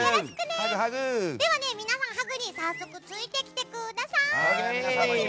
では、皆さんハグについてきてください。